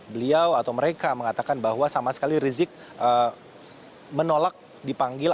beliau atau mereka mengatakan bahwa sama sekali rizik menolak dipanggil